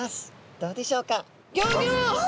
どうでしょうか。